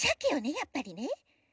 やっぱりね。